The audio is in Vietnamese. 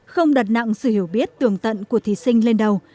không đặt nặng sự hiểu biết tường tận của thí sinh lên đầu